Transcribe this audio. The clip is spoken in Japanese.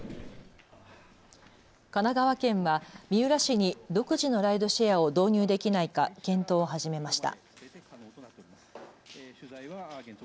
神奈川県は三浦市に独自のライドシェアを導入できないか検討を始めました。